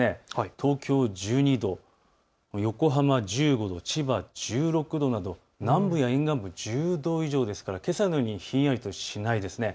東京１２度、横浜１５度、千葉１６度など南部や沿岸部、１０度以上ですからけさのようにひんやりとしないです。